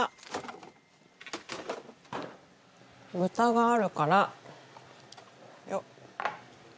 豚があるからよっ！